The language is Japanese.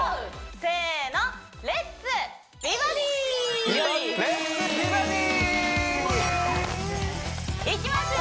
せーのいきますよ